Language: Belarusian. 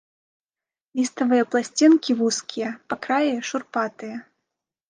Ліставыя пласцінкі вузкія, па краі шурпатыя.